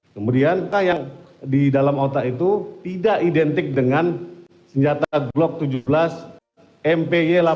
kemudian apa yang di dalam otak itu tidak identik dengan senjata glock tujuh belas mpy